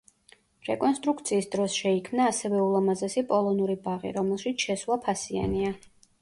რეკონსტრუქციის დროს შეიქმნა ასევე ულამაზესი პოლონური ბაღი, რომელშიც შესვლა ფასიანია.